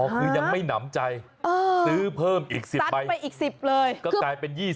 อ๋อคือยังไม่น้ำใจซื้อเพิ่มอีก๑๐ใบก็กลายเป็น๒๐